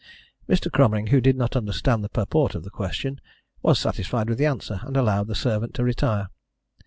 Mr. Cromering, who did not understand the purport of the question, was satisfied with the answer, and allowed the servant to retire.